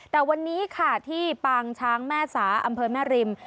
แต่วันนี้ค่ะที่ปางช้างแม่สาอำเภอแม่ริม